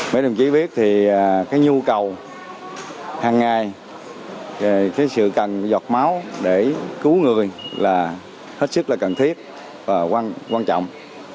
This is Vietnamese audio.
mấy đồng chí biết thì cái nhu cầu hàng ngày cái sự cần giọt máu để cứu người là hết sức là cần thiết và quan trọng